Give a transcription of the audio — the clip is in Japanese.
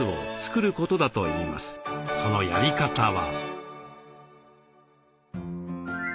そのやり方は？